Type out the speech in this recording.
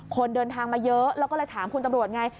คนเดินทางมาเยอะแล้วก็เลยถามคุณตำรวจไง